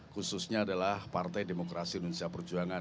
khususnya adalah partai demokrasi indonesia perjuangan